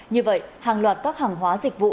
như vậy hàng loạt các hàng hóa dịch vụ